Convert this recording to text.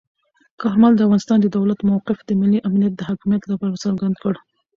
کارمل د افغانستان د دولت موقف د ملي امنیت او حاکمیت لپاره څرګند کړ.